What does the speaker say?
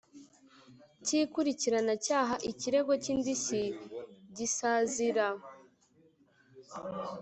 Cy ikurikiranacyaha ikirego cy indishyi gisazira